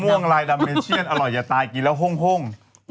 มัง่วงไลน์ดาเมชีอันอร่อยอย่าตายกินแล้วโห้ง